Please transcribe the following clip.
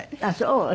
あっそう。